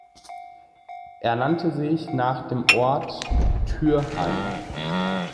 Er nannte sich nach dem Ort Thürheim.